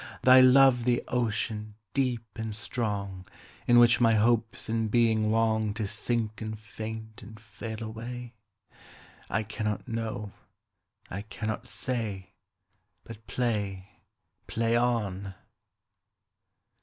Thy love the ocean, deep and strong, In which my hopes and being longTo sink and faint and fail away?I cannot know. I cannot say. But play, play on.